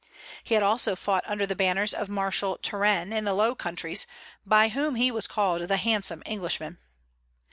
He had also fought under the banners of Marshal Turenne in the Low Countries, by whom he was called the "handsome Englishman."